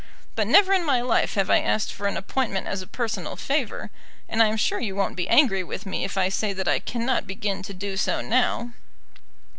But never in my life have I asked for an appointment as a personal favour; and I am sure you won't be angry with me if I say that I cannot begin to do so now."